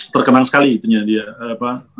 terkenang sekali itunya dia